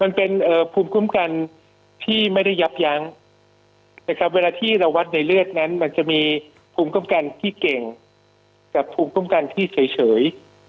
มันเป็นภูมิคุ้มกันที่ไม่ได้ยับยั้งเวลาที่เราวัดในเลือดนั้นมันจะมีภูมิคุ้มกันที่เก่งกับภูมิคุ้มกันที่เฉย